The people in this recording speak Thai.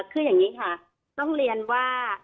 คืออย่างนี้ค่ะต้องเรียนว่า